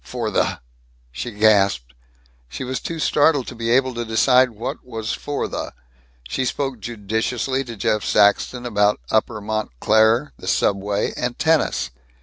"For the " she gasped. She was too startled to be able to decide what was for the. She spoke judiciously to Jeff Saxton about Upper Montclair, the subway, and tennis.